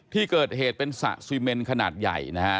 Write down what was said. ที่เกิดเหตุเป็นสระซีเมนขนาดใหญ่นะฮะ